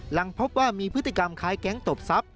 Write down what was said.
หลังพบว่ามีพฤติกรรมคล้ายแก๊งตบทรัพย